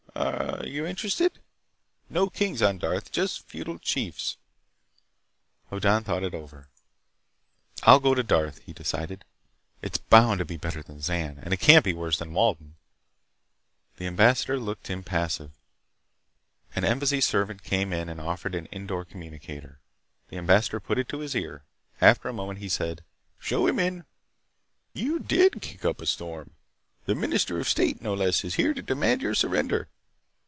Are you interested? No kings on Darth, just feudal chiefs." Hoddan thought it over. "I'll go to Darth," he decided. "It's bound to be better than Zan, and it can't be worse than Walden." The ambassador looked impassive. An Embassy servant came in and offered an indoor communicator. The ambassador put it to his ear. After a moment he said: "Show him in." He turned to Hoddan. "You did kick up a storm! The Minister of State, no less, is here to demand your surrender.